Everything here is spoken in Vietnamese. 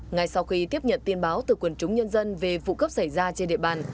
ngay sau khi tiếp nhận tin báo từ quần chúng nhân dân về vụ cướp xảy ra trên địa bàn